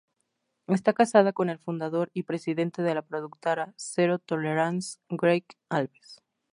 Está casada con el fundador y presidente de la productora Zero Tolerance, Greg Alves.